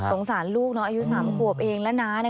สงสารลูกเนอะอายุ๓ขวบเองแล้วนะ